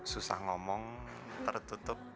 susah ngomong tertutup